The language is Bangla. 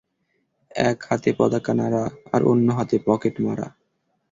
এক হাতে পতাকা নাড়া আর অন্য হাতে পকেট মারা।